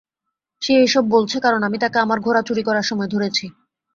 সে এসব বলছে কারন আমি তাকে আমার ঘোড়া চুরি করার সময় ধরেছি।